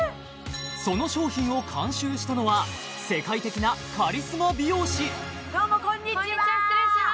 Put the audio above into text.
その商品を監修したのは世界的なカリスマ美容師どうもこんにちはこんにちは失礼します